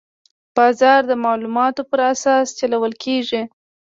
بازار د معلوماتو پر اساس چلول کېږي.